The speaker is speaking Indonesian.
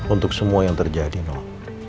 untuk semua yang terjadi nol